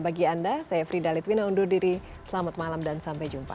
bagi anda saya frida litwina undur diri selamat malam dan sampai jumpa